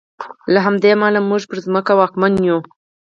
له همدې امله موږ پر ځمکه واکمن یو.